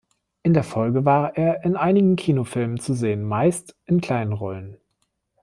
In der Folge war er in einigen Kinofilmen zu sehen, meist in kleinen Rollen.